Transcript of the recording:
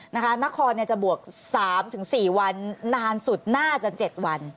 นครจะบวก๓๔วันนานสุดน่าจะ๗วัน